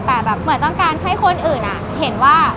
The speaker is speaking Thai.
แต่แบบเหมือนต้องการให้คนอื่นเห็นว่า